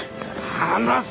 離せ！